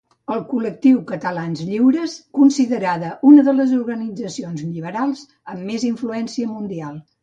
El Col·lectiu Catalans Lliures, considerada una de les organitzacions liberals amb més influència mundial.